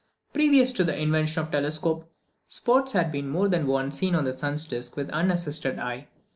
Previous to the invention of the telescope, spots had been more than once seen on the sun's disc with the unassisted eye.